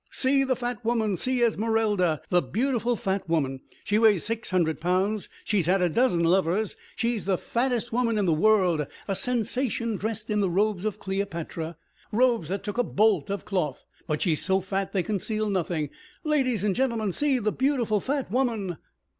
"See the fat woman, see Esmerelda, the beautiful fat woman, she weighs six hundred pounds, she's had a dozen lovers, she's the fattest woman in the world, a sensation, dressed in the robes of Cleopatra, robes that took a bolt of cloth; but she's so fat they conceal nothing, ladies and gentlemen, see the beautiful fat woman...."